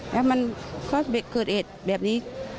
แล้วมันเขาเกิดเอ็ดแบบนี้